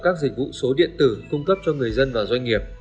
các dịch vụ số điện tử cung cấp cho người dân và doanh nghiệp